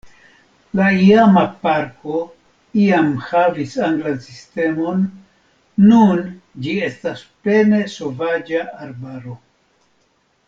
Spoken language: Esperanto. La iama parko iam havis anglan sistemon, nun ĝi estas pene sovaĝa arbaro.